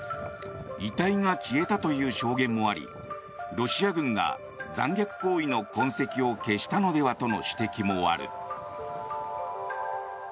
遺体が消えたという証言もありロシア軍が残虐行為の痕跡を消したのではとの指摘もある。